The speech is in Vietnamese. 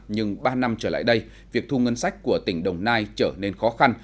nhưng ba năm trở lại đây việc thu ngân sách của tỉnh đồng nai trở nên khó khăn